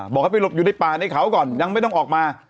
บอกให้ไปหลบอยู่ในป่าในเขาก่อนยังไม่ต้องออกมา